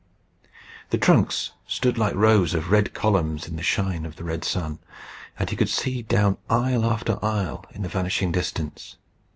The trunks stood like rows of red columns in the shine of the red sun, and he could see down aisle after aisle in the vanishing distance.